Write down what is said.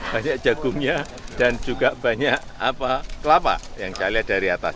banyak jagungnya dan juga banyak kelapa yang saya lihat dari atas